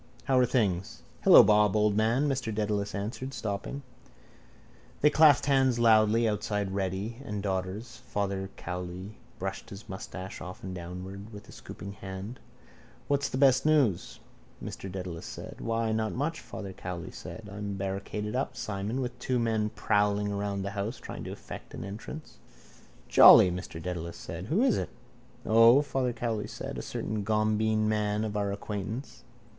How are things? —Hello, Bob, old man, Mr Dedalus answered, stopping. They clasped hands loudly outside Reddy and Daughter's. Father Cowley brushed his moustache often downward with a scooping hand. —What's the best news? Mr Dedalus said. —Why then not much, Father Cowley said. I'm barricaded up, Simon, with two men prowling around the house trying to effect an entrance. —Jolly, Mr Dedalus said. Who is it? —O, Father Cowley said. A certain gombeen man of our acquaintance.